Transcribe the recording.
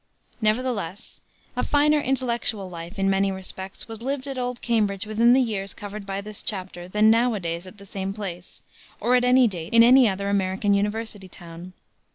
Nevertheless a finer intellectual life, in many respects, was lived at old Cambridge within the years covered by this chapter than nowadays at the same place, or at any date in any other American university town.